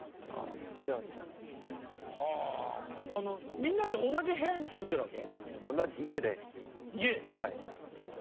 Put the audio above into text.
みんなで同じ部屋に住んでるわけ？